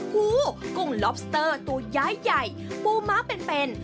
กุ้งลอบสเตอร์ตัวย้ายปูม้าเป็น